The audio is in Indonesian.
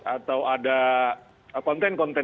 atau ada konten konten